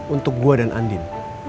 untuk gue dan andin